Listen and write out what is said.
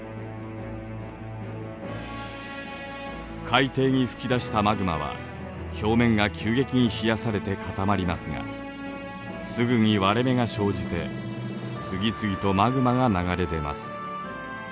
海底に噴き出したマグマは表面が急激に冷やされて固まりますがすぐに割れ目が生じて次々とマグマが流れ出ます。